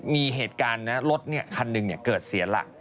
มีเหตุการณ์นะรถคันหนึ่งเกิดเสียหลัก